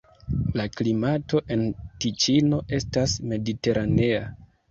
La klimato en Tiĉino estas mediteranea.